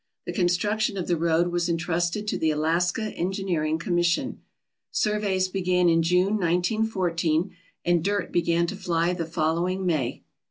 The construction of the road was entrusted to the Alaska Engineering Commission. Sur veys began in June, 1914, and dirt began to fly the follow ing May.